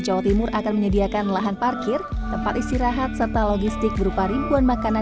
jawa timur akan menyediakan lahan parkir tempat istirahat serta logistik berupa ribuan makanan